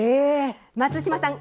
松島さん